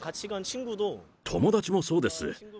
友達もそうです。